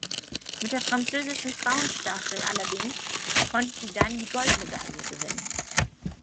Mit der französischen Frauenstaffel allerdings konnte sie dann die Goldmedaille gewinnen.